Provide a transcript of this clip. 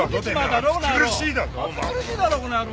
暑苦しいだろこの野郎！